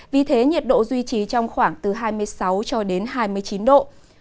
vì thế nhiệt độ duy trì trong khoảng từ hai mươi sáu cho đến hai mươi chín độ